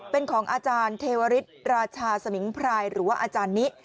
เป็นของอาจารย์เทวริสราชาสมิงพรายหรือว่าอาจารย์นิ